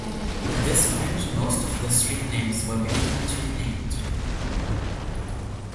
At this point, most of the streets were beginning to be named.